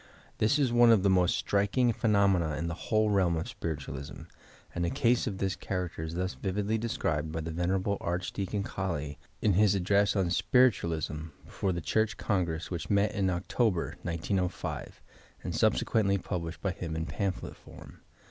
This is one of the most striking phenomena in the wliole realm of spiritualism, and a case of this character is thus vividly described by the Ven. Archdeacon Colley in bis address on "Spiritualism" before the Church Congress which met in October, 1905, and subsequently published by him in pamphlet form.